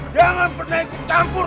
jangan pernah ikut campur